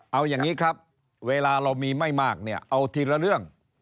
เอาอย่างนี้ครับเวลาเรามีไม่มากเนี่ยเอาทีละเรื่อง